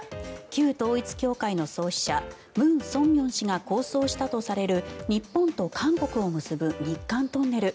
旧統一教会の創始者ムン・ソンミョン氏が構想したとされる日本と韓国を結ぶ日韓トンネル。